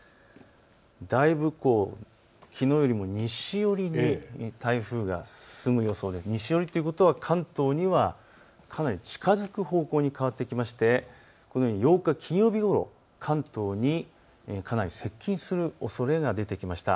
だいぶきのうよりも西寄りに台風が進む予想で西寄りということは関東にはかなり近づく方向に変わってきまして８日、金曜日ごろ関東にかなり接近するおそれが出てきました。